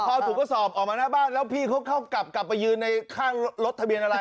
พอถุงกระสอบออกมาหน้าบ้านแล้วพี่เขาเข้ากลับกลับไปยืนในข้างรถทะเบียนอะไร